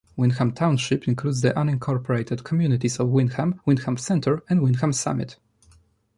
Windham Township includes the unincorporated communities of Windham, Windham Center, and Windham Summit.